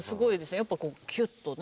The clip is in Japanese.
やっぱこうキュッとね。